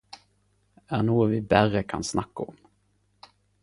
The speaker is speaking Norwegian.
Er noe vi berre kan snakke om